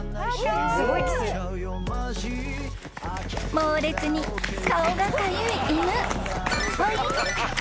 ［猛烈に顔がかゆい犬］